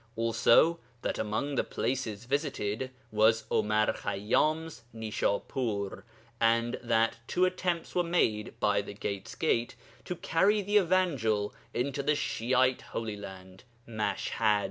Also that among the places visited was Omar Khayyám's Nishapur, and that two attempts were made by the 'Gate's Gate' to carry the Evangel into the Shi'ite Holy Land (Mash had).